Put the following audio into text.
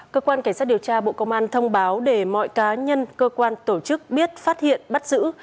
cơ quan cảnh sát điều tra bộ công an thông báo để mọi cá nhân cơ quan tổ chức biết phát hiện bắt giữ